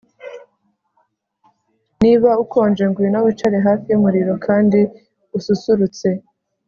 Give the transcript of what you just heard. Niba ukonje ngwino wicare hafi yumuriro kandi ususurutse